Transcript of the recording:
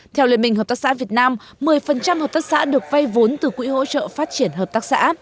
theo liên minh hợp tác xã việt nam một mươi hợp tác xã được vay vốn từ quỹ hỗ trợ phát triển hợp tác xã